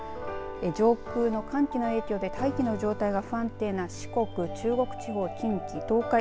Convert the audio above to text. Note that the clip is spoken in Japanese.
上空の寒気の影響で大気の状態が不安定な四国、中国地方、近畿、東海